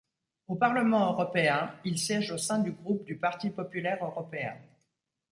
Au Parlement européen, il siège au sein du groupe du Parti populaire européen.